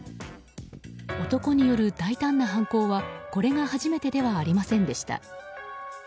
男による大胆な犯行は、これが初めてではありませんでした。